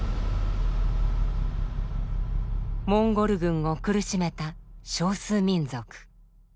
モンゴル軍を苦しめた少数民族。